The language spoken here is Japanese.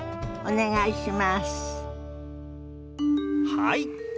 はい！